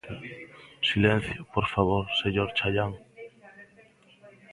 Silencio, por favor, señor Chaián.